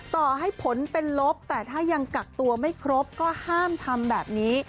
ต่อให้ผลเป็นลบแต่ถ้ายังกักตัวไม่ครบก็ห้ามทำแบบนี้